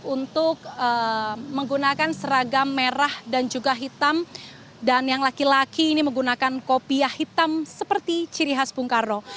untuk menggunakan seragam merah dan juga hitam dan yang laki laki ini menggunakan kopiah hitam seperti ciri khas bung karno